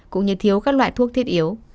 cũng như thiếu các loại thuốc thiết yếu